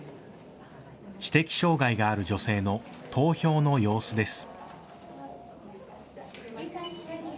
知的障害がある女性の投票の様子です。